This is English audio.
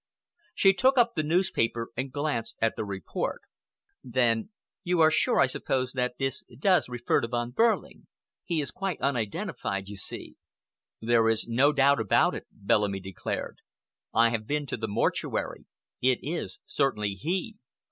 She took up the newspaper and glanced at the report. Then, "You are sure, I suppose, that this does refer to Von Behrling? He is quite unidentified, you see." "There is no doubt about it," Bellamy declared. "I have been to the Mortuary. It is certainly he.